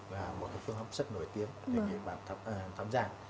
và một phương pháp rất nổi tiếng như bạn tham gia